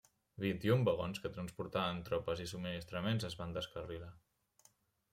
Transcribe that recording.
Vint-i-un vagons que transportaven tropes i subministraments es van descarrilar.